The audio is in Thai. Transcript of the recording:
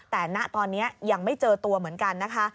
แต่ณตอนนี้ยังไม่เจอตัวเหมือนกันนะคะ